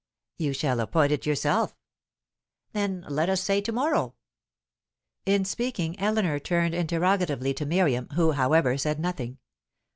"You shall appoint it yourself." "Then let us say to morrow." In speaking, Eleanor turned interrogatively to Miriam, who, however, said nothing.